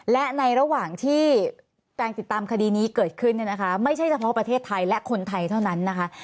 และในระหว่างที่การติดตามคดีนี้เกิดขึ้นเนี่ยนะคะไม่ใช่เฉพาะประเทศไทยและคนไทยเท่านั้นนะคะ